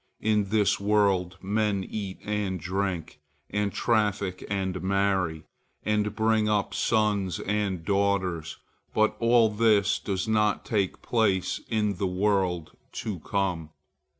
In this world, men eat and drink, and traffic and marry, and bring up sons and daughters, but all this does not take place in the world to come.